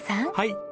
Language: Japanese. はい。